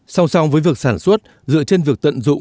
sau sau với việc sản xuất dựa trên việc tận dụng nguồn lạc